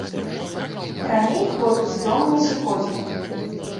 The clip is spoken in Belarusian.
Раней хлопец з дому не сыходзіў.